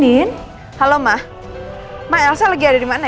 ini lelaki di mana